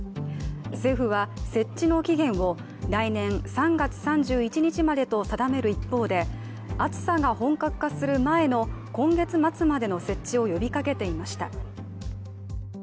政府は設置の期限を来年３月３１日までと定める一方で暑さが本格化する前の今月末までの設置を呼びかけていました。